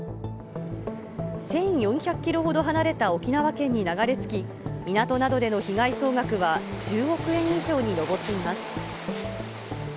１４００キロほど離れた沖縄県に流れ着き、港などでの被害総額は１０億円以上に上っています。